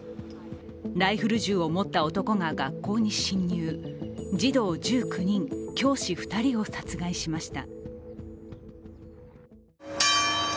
ライフル銃を持った男が学校に侵入、児童１９人、教師２人を殺害しました。